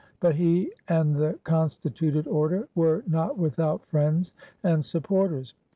But he and the constituted order were not without friends and supporters.